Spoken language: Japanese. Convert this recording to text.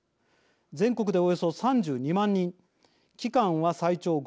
全国でおよそ３２万人期間は最長５年。